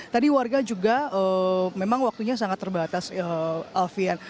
tadi warga juga memang waktunya sangat terbatas alfian